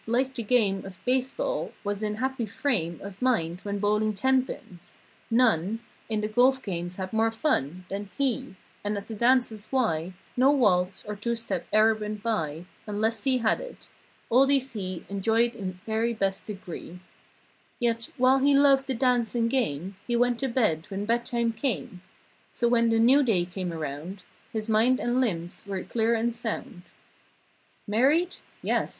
Liked the game Of base ball. Was in happy frame Of mind when bowling ten pins. None In the golf games had more fun Than he. And at the dances why No waltz, or two step e'er went by Unless he had it. All these he Enjoyed in very best degree. Yet, while he loved the dance and game He went to bed when bed time came So when the new day came around His mind and limbs were clear and sound. Married? Yes.